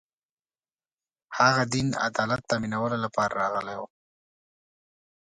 هغه دین عدالت تأمینولو لپاره راغلی و